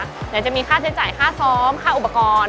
เดี๋ยวจะมีค่าใช้จ่ายค่าซ้อมค่าอุปกรณ์